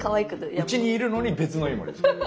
うちにいるのに別のイモリです。